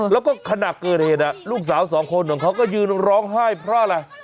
แล้วก็ขณะเกิดเหตุลูกสาวสองคนของเขาก็ยืนร้องไห้เพราะอะไร